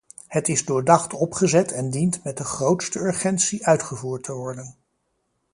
Het is doordacht opgezet en dient met de grootste urgentie uitgevoerd te worden.